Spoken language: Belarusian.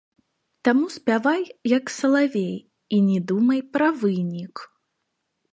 Таму спявай, як салавей, і не думай пра вынік.